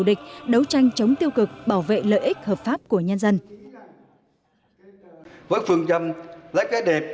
địch đấu tranh chống tiêu cực bảo vệ lợi ích hợp pháp của nhân dân với phương châm lấy cái đẹp